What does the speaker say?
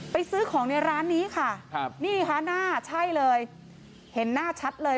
ซื้อของในร้านนี้ค่ะครับนี่ค่ะหน้าใช่เลยเห็นหน้าชัดเลย